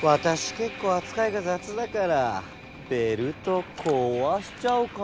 けっこうあつかいがざつだからベルトこわしちゃうかも。